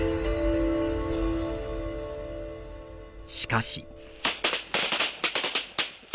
しかし。